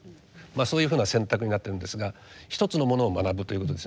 そういうふうな選択になってるんですが一つのものを学ぶということですね。